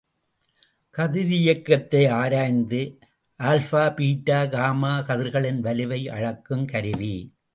கதிரியக்கத்தை ஆராய்ந்து alpha, beta, gamma கதிர்களின் வலுவை அளக்குங் கருவி.